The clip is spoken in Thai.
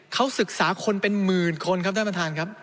เขาศึกษาคนเป็นหมื่นคนครับท่านประธานครับ